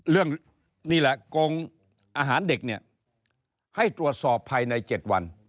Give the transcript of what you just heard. เรือนี่แหละโครงอาหารเด็กแล้วให้ตรวจสอบภัยใน๗วัน